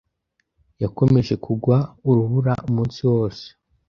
Yakomeje kugwa urubura umunsi wose.